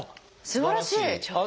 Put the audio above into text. すばらしい！